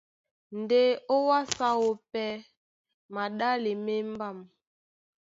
Ndé ó wásē áō pɛ́ maɗále má embám.